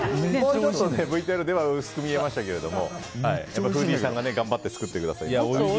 ＶＴＲでは薄く見えましたけどもフーディーさんが頑張って作ってくださいました。